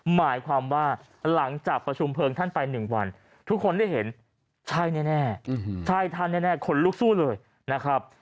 หมายความว่าหลังจากประชุมเพลิงท่านไป๑วันทุกคนได้เห็นใช่แน่ใช่ท่านแน่คนลุกสู้เลยนะครับ